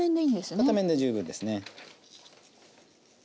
片面で十分ですね。